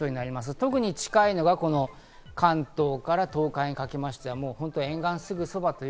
特に近いのが関東から東海にかけましては沿岸すぐそば。